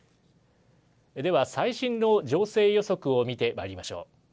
では、最新の情勢予測を見てまいりましょう。